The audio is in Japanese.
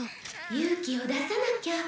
勇気を出さなきゃ。